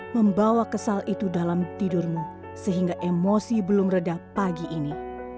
membawa kesal itu dalam tidurmu sehingga emosi belum reda pagi ini